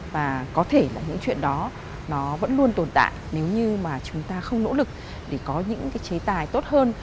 và có thể những chuyện đó vẫn luôn tồn tại nếu như chúng ta không nỗ lực để có những chế tài tốt hơn